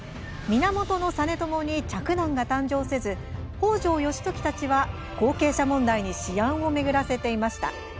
源実朝に嫡男が誕生せず北条義時たちは後継者問題に思案を巡らせていました。